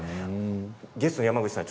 ゲストの山口さん